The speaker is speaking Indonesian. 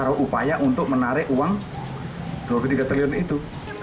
ada upaya untuk menarik uang dua puluh tiga triliun itu